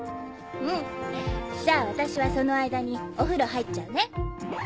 うんじゃあ私はその間にお風呂入っちゃうね。